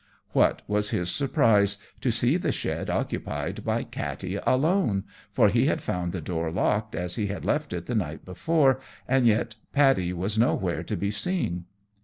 What was his surprise to see the shed occupied by Katty alone; for he had found the door locked as he had left it the night before, and yet Paddy was nowhere to be seen.